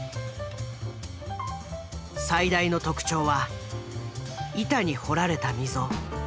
最大の特徴は板に彫られた溝。